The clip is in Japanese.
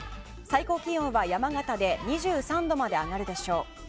最高気温は山形で２３度まで上がるでしょう。